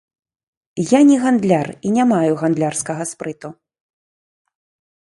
Я не гандляр і не маю гандлярскага спрыту.